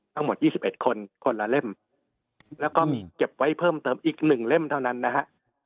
ทั้งหมด๒๑คนคนละเล่มแล้วก็หยิบเผิมเติมอีกหนึ่งเล่มเท่านั้นนะฮะ